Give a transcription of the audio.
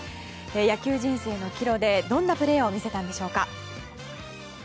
野球人生の岐路でどんなプレーを見せたのでしょうか。